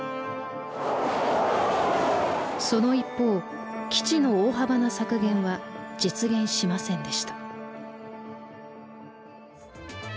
その一方基地の大幅な削減は実現しませんでした。